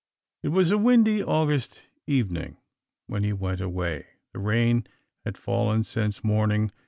It was a windy August evening when he went away: the rain had fallen since morning.